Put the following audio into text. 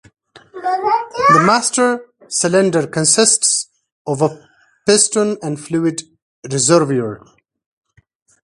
The master cylinder consists of a piston and a fluid reservoir.